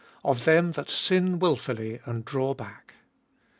Of them that sin wilfully and draw back.